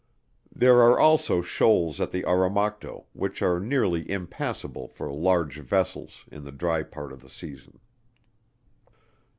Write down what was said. There are also shoals at the Oromocto, which are nearly impassable for large vessels in the dry part of the season.